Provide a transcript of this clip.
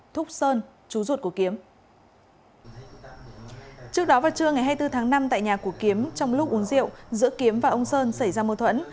trước đó vào trưa ngày hai mươi bốn tháng năm tại nhà của kiếm trong lúc uống rượu giữa kiếm và ông sơn xảy ra mâu thuẫn